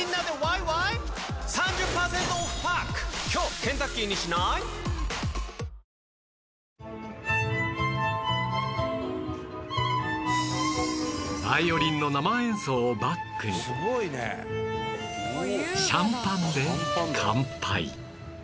コリャバイオリンの生演奏をバックにシャンパンで乾杯